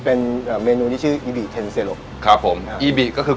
เป็นอ่าเมนูที่ชื่ออีบีเท็นเซโรครับผมอีบีก็คือ